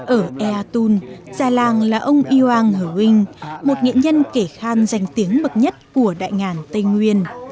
ở ea tôn già làng là ông iwang hờ huynh một nghệ nhân kể khan danh tiếng bậc nhất của đại ngàn tây nguyên